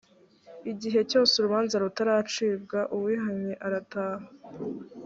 igihe cyose urubanza rutaracibwa uwihannye arataha